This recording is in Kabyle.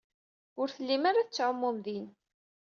Ur tellim ara tettɛumum din.